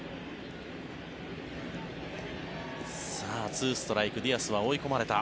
２ストライクディアスは追い込まれた。